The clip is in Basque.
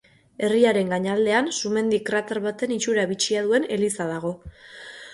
Herriaren gainaldean sumendi krater baten itxura bitxia duen eliza dago.